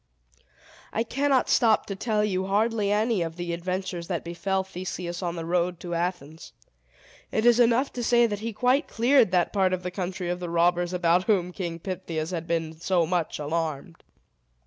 I cannot stop to tell you hardly any of the adventures that befell Theseus on the road to Athens. It is enough to say, that he quite cleared that part of the country of the robbers about whom King Pittheus had been so much alarmed.